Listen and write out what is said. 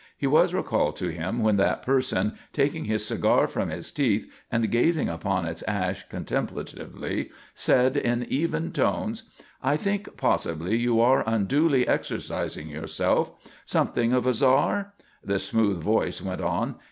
He was recalled to him when that person, taking his cigar from his teeth and gazing upon its ash contemplatively, said in even tones: "I think possibly you are unduly exercising yourself. Something of a Czar?" The smooth voice went on.